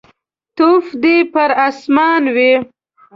توف دي پر اسمان وي.